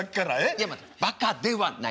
いやバカではない。